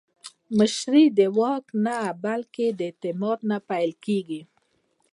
مشري د واک نه، بلکې د اعتماد نه پیلېږي